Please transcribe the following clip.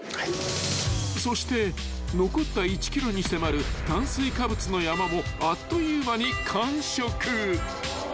［そして残った１ｋｇに迫る炭水化物の山もあっという間に完食］